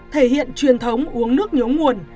thể hiện truyền thống uống nước nhốm nguồn